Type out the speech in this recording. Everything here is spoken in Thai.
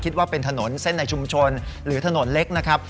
คิดว่าเป็นถนนเส้นในชุมชนหรือถนนเล็กนะครับ